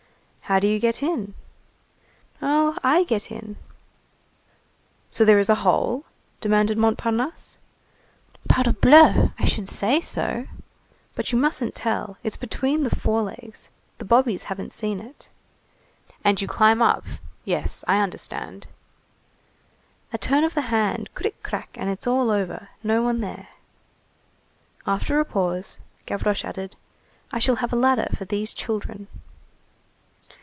"How do you get in?" "Oh, I get in." "So there is a hole?" demanded Montparnasse. "Parbleu! I should say so. But you mustn't tell. It's between the fore legs. The bobbies haven't seen it." "And you climb up? Yes, I understand." "A turn of the hand, cric, crac, and it's all over, no one there." After a pause, Gavroche added:— "I shall have a ladder for these children."